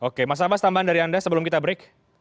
oke mas abbas tambahan dari anda sebelum kita break